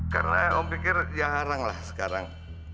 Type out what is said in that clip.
karena om pikir jarang lah sekarang